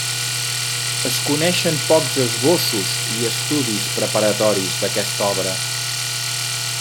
Es coneixen pocs esbossos i estudis preparatoris d'aquesta obra.